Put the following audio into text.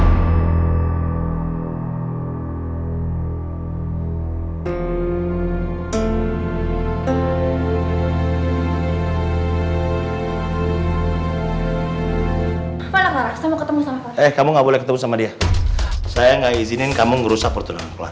apa ngerasa mau ketemu sama eh kamu nggak boleh ketemu sama dia saya nggak izinin kamu ngerusak pertunangan keluar